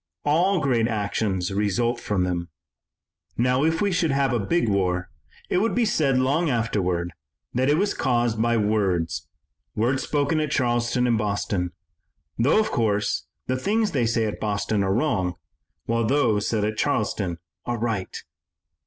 All great actions result from them. Now, if we should have a big war, it would be said long afterward that it was caused by words, words spoken at Charleston and Boston, though, of course, the things they say at Boston are wrong, while those said at Charleston are right."